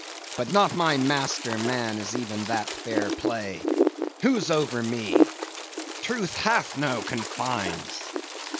But not my master, man, is even that fair play. Who's over me? Truth hath no confines.